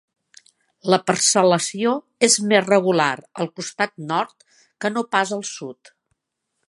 La parcel·lació és més regular al costat nord que no pas al sud.